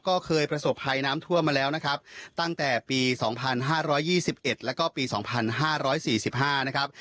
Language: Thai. ก็เคยประสบภัยน้ำท่วมมาแล้วนะครับตั้งแต่ปีสองพันห้าร้อยยี่สิบเอ็ดแล้วก็ปีสองพันห้าร้อยสี่สิบห้านะครับ